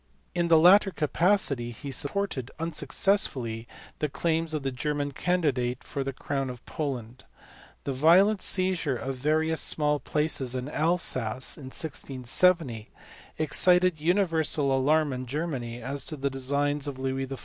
In the latter capacity he supported (unsuccessfully) the claims of the German candidate for the crown of Poland. The violent seizure of various small places in Alsace in 1670 excited universal alarm in Germany as to the designs of Louis XIY.